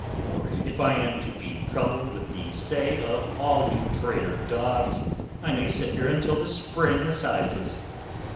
For if I am to be troubled with the say of all you traitor dogs, I may sit here until the Spring Assizes."